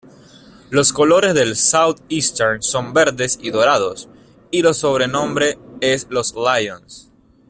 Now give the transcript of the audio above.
Los colores de Southeastern son verdes y dorados, y el sobrenombre es los Lions.